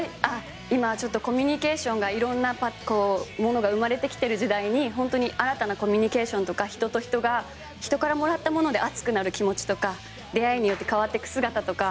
今、コミュニケーションが色んなものが生まれてきている時代に本当に新たなコミュニケーションとか人と人が人からもらったもので熱くなる気持ちとか出会いによって変わっていく姿とか